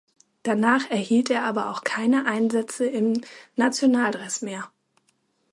Danach erhielt er aber auch keine Einsätze im Nationaldress mehr.